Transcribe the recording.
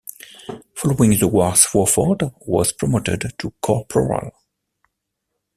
Following the war Swofford was promoted to corporal.